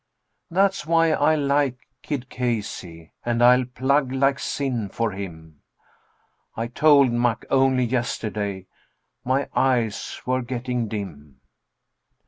That's why I like Kid Casey, and I'll plug like sin for him, I told Mack only yesterday my eyes were getting dim.